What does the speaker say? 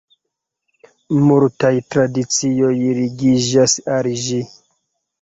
Multaj tradicioj ligiĝas al ĝi.